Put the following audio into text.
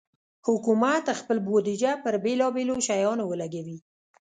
حکومت خپل بودیجه پر بېلابېلو شیانو ولګوي.